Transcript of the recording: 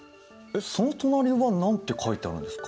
その隣は何て書いてあるんですか？